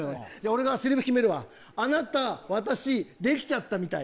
俺がセリフ決めるわ「あなた私できちゃったみたい」。